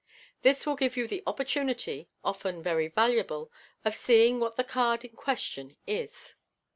This will give you the opportunity, often very valuable, of seeing what the card in question is.